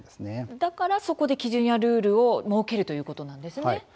だからそこで基準やルールを設けるということなんですね。